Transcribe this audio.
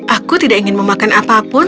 aku tidak ingin memakan apapun